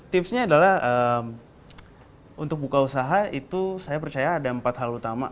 tipsnya adalah untuk buka usaha itu saya percaya ada empat hal utama